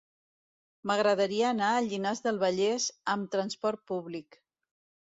M'agradaria anar a Llinars del Vallès amb trasport públic.